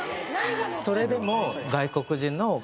それでも。